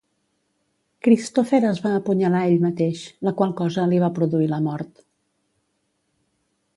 Christopher es va apunyalar ell mateix, la qual cosa li va produir la mort.